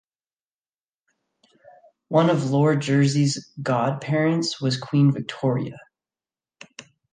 One of Lord Jersey's godparents was Queen Victoria.